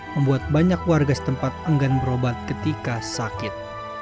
membuat banyak warga setempat enggan berobat ketika sakit